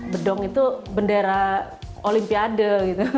bedong itu bendera olimpiade gitu